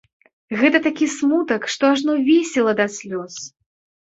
Гэта такі смутак, што ажно весела да слёз!